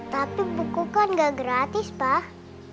tapi buku kan gak gratis pak